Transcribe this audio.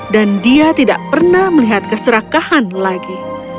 dan dia tidak pernah melihat keserakahan lagi